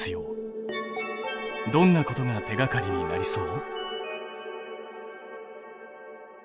どんなことが手がかりになりそう？